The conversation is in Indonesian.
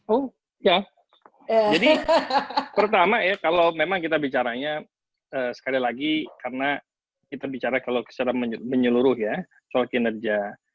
oh ya jadi pertama ya kalau memang kita bicaranya sekali lagi karena kita bicara kalau secara menyeluruh ya soal kinerja